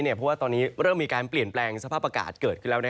เพราะว่าตอนนี้เริ่มมีการเปลี่ยนแปลงสภาพอากาศเกิดขึ้นแล้ว